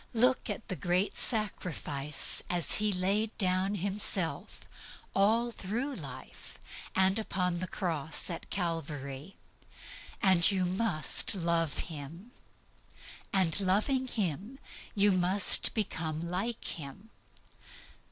Look at THE GREAT SACRIFICE as He laid down Himself, all through life, and upon the Cross of Calvary; and you must love Him. And loving Him, you must become like Him.